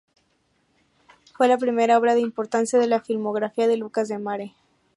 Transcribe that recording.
Fue la primera obra de importancia en la filmografía de Lucas Demare.